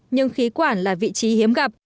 nhưng khí quản là vị trí hiếm gặp